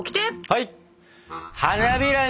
はい！